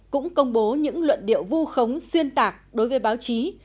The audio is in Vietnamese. cũng công bố những luận điệu vu khống xuyên tạc đối với báo chí